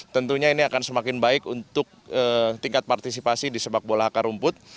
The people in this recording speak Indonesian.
tentunya ini akan semakin baik untuk tingkat partisipasi di sepak bola akar rumput